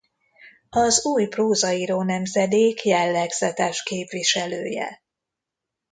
Az új prózaíró nemzedék jellegzetes képviselője.